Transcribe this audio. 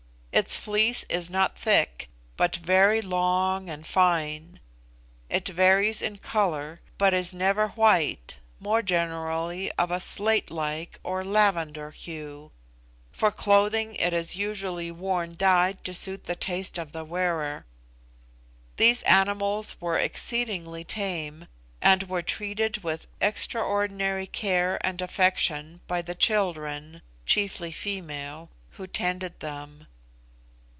Its fleece is not thick, but very long and fine; it varies in colour, but is never white, more generally of a slate like or lavender hue. For clothing it is usually worn dyed to suit the taste of the wearer. These animals were exceedingly tame, and were treated with extraordinary care and affection by the children (chiefly female) who tended them.